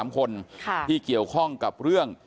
๓คนที่เกี่ยวข้องกับเรื่อง